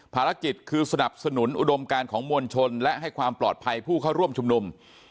ภารกิจคือสนับสนุนอุดมการของมวลชนและให้ความปลอดภัยผู้เข้าร่วมชุมนุม